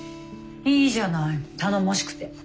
いいじゃない頼もしくて。